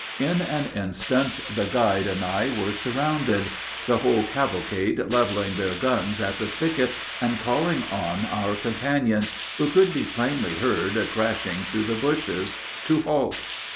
In an instant the guide and I were surrounded, the whole cavalcade leveling their guns at the thicket and calling on our companions, who could be plainly heard crashing through the bushes, to halt.